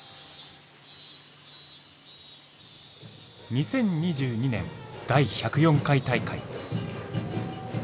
２０２２年第１０４回大会。